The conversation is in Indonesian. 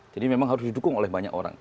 jadi memang harus didukung oleh banyak orang